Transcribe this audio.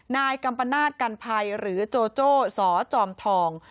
นายกัมปนาศกันภัยหรือโจโจ้สจอมทอง